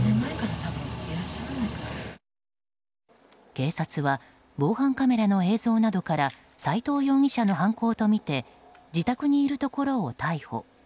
警察は防犯カメラの映像などから斎藤容疑者の犯行とみて自宅にいるところを逮捕。